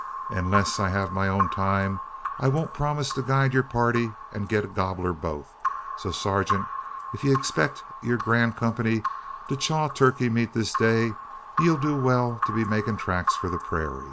Unless I hev my own time, I won't promise to guide yur party, an git gobbler both. So, surgint, ef ye expex yur grand kumpny to chaw turkey meat this day, ye'll do well to be makin' tracks for the purayra."